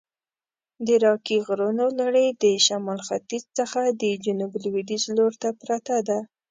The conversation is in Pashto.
د راکي غرونو لړي د شمال ختیځ څخه د جنوب لویدیځ لورته پرته ده.